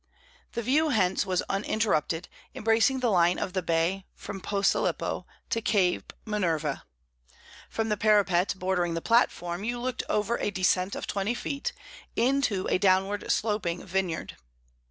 The view hence was uninterrupted, embracing the line of the bay from Posillipo to Cape Minerva. From the parapet bordering the platform you looked over a descent of twenty feet, into a downward sloping vineyard.